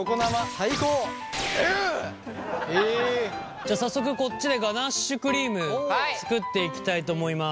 じゃあ早速こっちでガナッシュクリーム作っていきたいと思います。